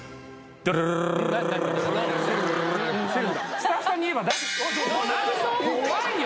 スタッフさんに言えば怖いよ